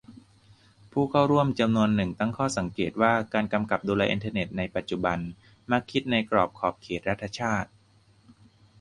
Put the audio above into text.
ผู้เข้าร่วมจำนวนหนึ่งตั้งข้อสังเกตว่า การกำกับดูแลอินเทอร์เน็ตในปัจจุบันมักคิดในกรอบขอบเขตรัฐชาติ